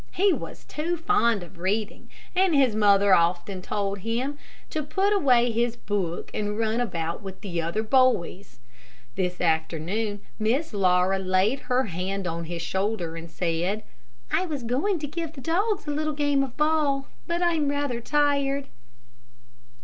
He was too fond of reading, and his mother often told him to put away his book and run about with the other boys. This afternoon Miss Laura laid her hand on his shoulder and said, "I was going to give the dogs a little game of ball, but I'm rather tired."